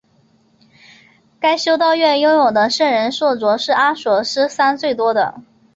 该修道院拥有的圣人圣髑是阿索斯山最多的。